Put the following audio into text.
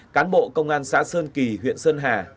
cán bộ công an xã sơn kỳ huyện sơn hà